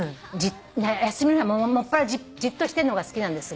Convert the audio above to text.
休みの日はもっぱらじっとしてんのが好きなんです。